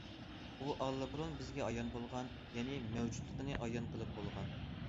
ئۇ ئاللىبۇرۇن بىزگە ئايان بولغان، يەنى مەۋجۇتلۇقىنى ئايان قىلىپ بولغان.